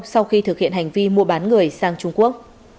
sau khi thực hiện hành vi mua bán người sang trung quốc